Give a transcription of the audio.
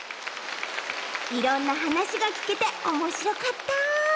いろんなはなしがきけておもしろかった。